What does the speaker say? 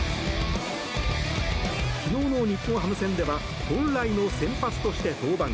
昨日の日本ハム戦では本来の先発として登板。